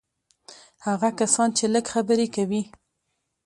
هغه کسان چې لږ خبرې کوي.